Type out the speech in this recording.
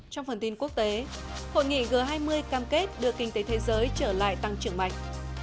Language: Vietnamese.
trong phần tin quốc tế hội nghị g hai mươi cam kết đưa kinh tế thế giới trở lại tăng trưởng mạnh